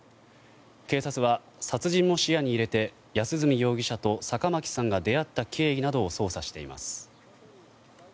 警察は殺人も視野に入れて安栖容疑者と坂巻さんが出会った経緯などを捜査しています。